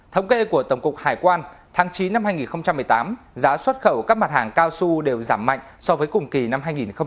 thống kê của tổng cục hải quan tháng chín năm hai nghìn một mươi tám giá xuất khẩu các mặt hàng cao su đều giảm mạnh so với cùng kỳ năm hai nghìn một mươi tám